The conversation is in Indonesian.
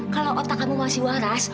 kalau otak kamu masih waras